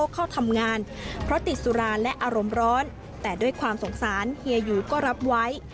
พอท่านและบุธยังไม่จับมาจากยายวเบอร์